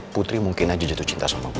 putri mungkin aja jatuh cinta sama putri